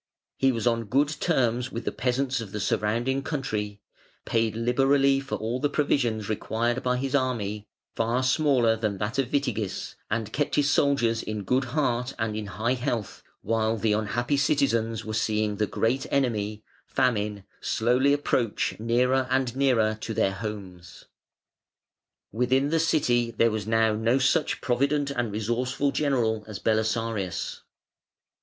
He was on good terms with the peasants of the surrounding country, paid liberally for all the provisions required by his army (far smaller than that of Witigis), and kept his soldiers in good heart and in high health, while the unhappy citizens were seeing the great enemy Famine slowly approach nearer and nearer to their homes. Within the City there was now no such provident and resourceful general as Belisarius.